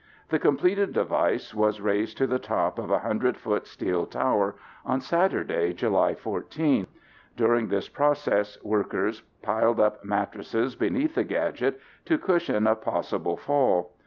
The completed device was raised to the top of a 100 foot steel tower on Saturday, July 14. During this process workers piled up mattresses beneath the gadget to cushion a possible fall.